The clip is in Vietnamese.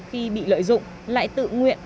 khi bị lợi dụng lại tự nguyện